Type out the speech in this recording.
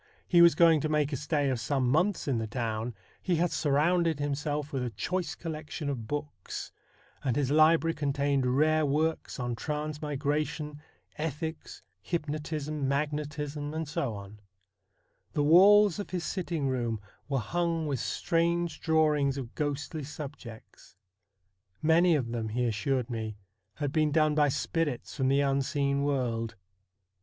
he was going to make a stay of some months in the town, he had surrounded himself with a choice collection of books ; and his library contained rare works on transmigration, ethics, hypnotism, magnetism, &c. The walls of his sitting room were hung with strange drawings of ghostly subjects. Many of them, he assured me, had been done by spirits from the unseen world.